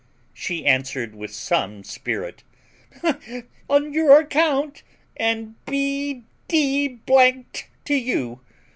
She answered with some spirit, "On your account, and be d d to you!